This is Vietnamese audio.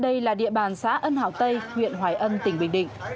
đây là địa bàn xã ân hảo tây huyện hoài ân tỉnh bình định